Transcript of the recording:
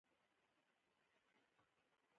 • لمر د رڼا سرچینه ده.